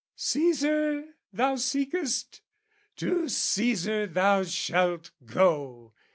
CAesar thou seekest? To CAesar thou shalt go!